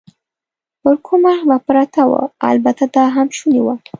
پر کوم اړخ به پرته وه؟ البته دا هم شونې وه.